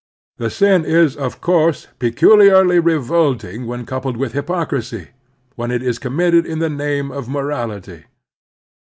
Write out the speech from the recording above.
The sin is, of course, peculiarly revolting when coupled with hypocrisy, when it is committed in the name of morality.